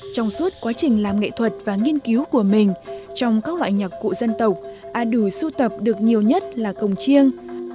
trong suốt quá trình làm nghệ thuật và nghiên cứu của mình trong các loại nhạc cụ dân tộc a đủ sưu tập được nhiều nhất là cồng chiêng